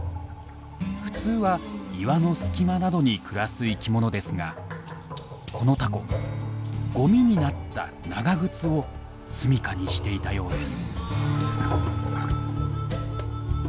普通は岩の隙間などに暮らす生きものですがこのタコゴミになった長靴をすみかにしていたようです。